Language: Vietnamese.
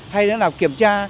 hay là kiểm tra